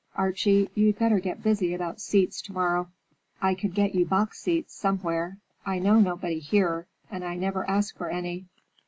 Archie, you'd better get busy about seats to morrow." "I can get you box seats, somewhere. I know nobody here, and I never ask for any."